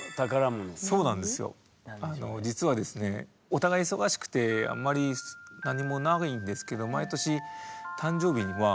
実はですねお互い忙しくてあんまり何もないんですけどえ